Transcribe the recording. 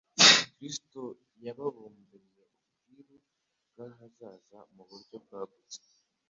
Kristo yababumburiye ubwiru bw’ahazaza mu buryo bwagutse.